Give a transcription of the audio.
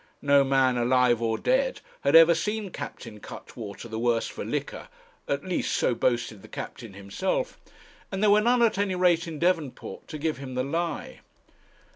No man alive or dead had ever seen Captain Cuttwater the worse for liquor; at least so boasted the captain himself, and there were none, at any rate in Devonport, to give him the lie.